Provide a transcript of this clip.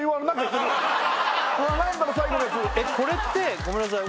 これってごめんなさい